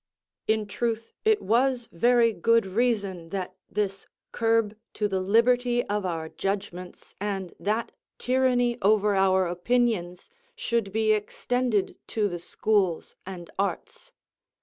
In truth it was very good reason that this curb to the liberty of our judgments and that tyranny over our opinions, should be extended to the schools and arts.